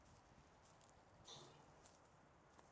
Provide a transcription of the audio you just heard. اب ان کی صحت پر بات ہوگی جے آئی ٹی کی رپورٹ